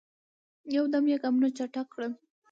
یو دم یې ګامونه چټک کړل.